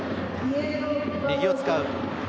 右を使う。